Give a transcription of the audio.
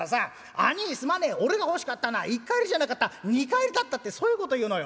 『兄ぃすまねえ俺が欲しかったのは１荷入りじゃなかった２荷入りだった』ってそういうことを言うのよ」。